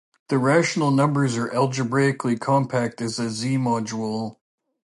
The rational numbers are algebraically compact as a Z-module.